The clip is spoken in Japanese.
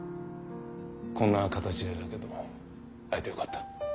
こんな形でだけど会えてよかった。